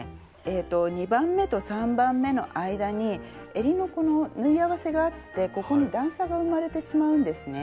２番目と３番目の間にえりのこの縫い合わせがあってここに段差が生まれてしまうんですね。